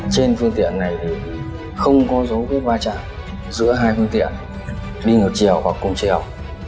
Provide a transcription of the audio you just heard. trên phương tiện này thì không có dấu vết va chạm giữa hai phương tiện đi ngược chiều hoặc cùng chiều